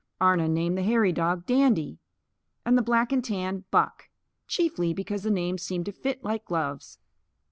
Arnon named the hairy dog "Dandy" and the black and tan "Buck" chiefly because the names seemed to fit like gloves.